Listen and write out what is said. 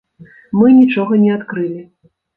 Мы нічога не адкрылі.